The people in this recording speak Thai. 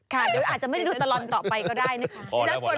ค่ะเดี๋ยวอาจจะไม่รู้ตลอมมันต่อไปก็ได้นะครับ